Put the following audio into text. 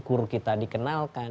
kur kita dikenalkan